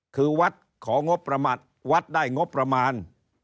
คือวัดของงบประมาณวัดได้งบประมาณ